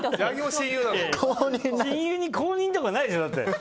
親友に公認とかないでしょだって。